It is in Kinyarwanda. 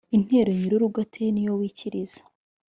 Intero nyirurugo ateye niyo wikiriza